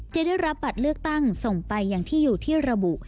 จะได้รับบัตรเลือกตั้งส่งไปอย่างที่อยู่ที่ระบุ